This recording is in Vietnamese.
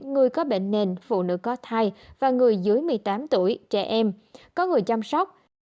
người có bệnh nền phụ nữ có thai và người dưới một mươi tám tuổi trẻ em có người chăm sóc